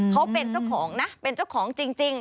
เขาเป็นเจ้าของนะเป็นเจ้าของจริง